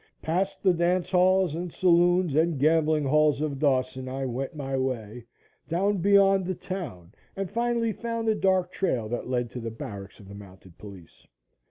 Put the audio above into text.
Past the dance halls and saloons and gambling halls of Dawson I went my way, down beyond the town and finally found the dark trail that led to the barracks of the mounted police.